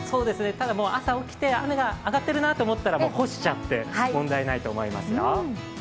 ただ、朝起きて雨が上がっているなと思ったら干しちゃって問題ないと思います。